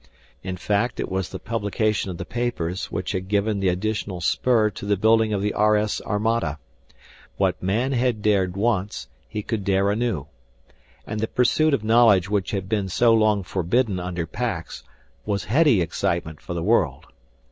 In fact it was the publication of the papers which had given the additional spur to the building of the RS armada. What man had dared once he could dare anew. And the pursuit of knowledge which had been so long forbidden under Pax was heady excitement for the world.